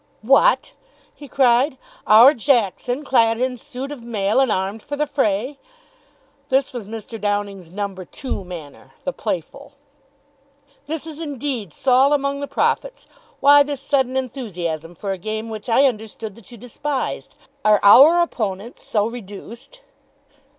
"What!" he cried. "Our Jackson clad in suit of mail and armed for the fray!" This was Mr. Downing's No. 2 manner the playful. "This is indeed Saul among the prophets. Why this sudden enthusiasm for a game which I understood that you despised? Are our opponents so reduced?"